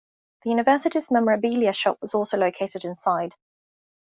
The University's memorabilia shop was also located inside.